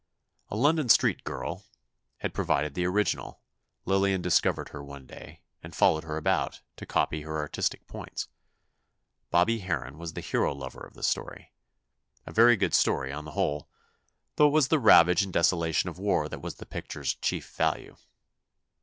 A London street girl had provided the original. Lillian discovered her one day, and followed her about, to copy her artistic points. Bobby Harron was the hero lover of the story—a very good story, on the whole—though it was the ravage and desolation of war that was the picture's chief value.